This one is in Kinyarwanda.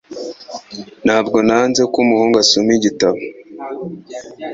Ntabwo nanze ko umuhungu asoma igitabo.